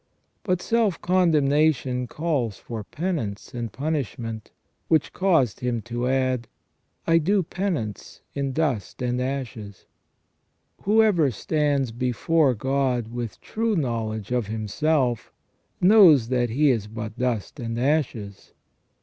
But self condemnation calls for penance and punishment, which caused him to add :' I do penance in dust and ashes '. Whoever stands before God with true knowledge of himself, knows that he is but dust and ashes.